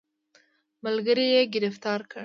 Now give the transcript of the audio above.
ملګري یې ګرفتار کړ.